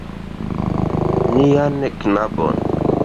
Nian knabon.